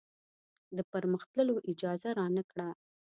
د پر مخ تللو اجازه رانه کړه.